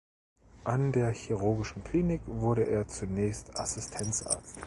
An der Chirurgischen Klinik wurde er zunächst Assistenzarzt.